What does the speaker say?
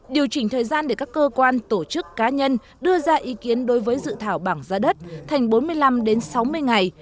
điều chỉnh thời gian để các cơ quan tổ chức cá nhân đưa ra ý kiến đối với dự thảo bảng giá đất thành bốn mươi năm sáu mươi ngày